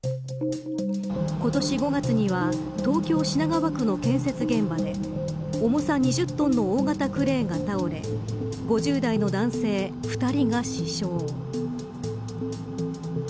今年５月には東京・品川区の建設現場で重さ２０トンの大型クレーンが倒れ５０代の男性２人が死傷。